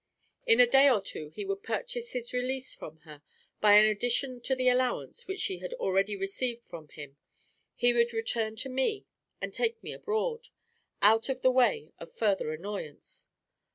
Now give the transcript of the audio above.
In a day or two he would purchase his release from her by an addition to the allowance which she had already received from him: he would return to me and take me abroad, out of the way of further annoyance.